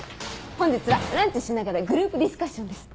本日はランチしながらグループディスカッションです。